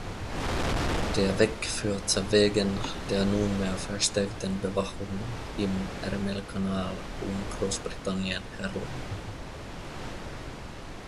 Der Weg führte wegen der nunmehr verstärkten Bewachung im Ärmelkanal um Großbritannien herum.